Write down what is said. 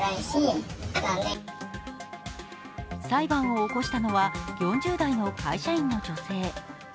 裁判を起こしたのは４０代の会社員の女性。